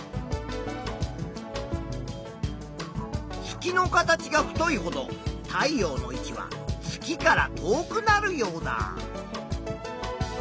月の形が太いほど太陽の位置は月から遠くなるヨウダ。